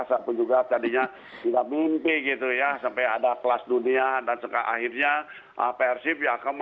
saya pun juga tadinya juga mimpi gitu ya sampai ada kelas dunia dan sejak akhirnya persib ya kembali ke persib ya